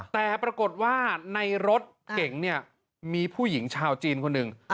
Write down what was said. แต่ปรากฏว่าในรถเก่งเนี่ยมีผู้หญิงชาวจีนคนหนึ่ง